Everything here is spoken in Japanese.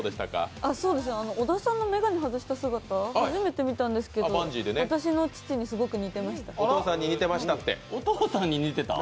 小田さんの眼鏡外した姿初めて見たんですけど私の父にすごく似てました。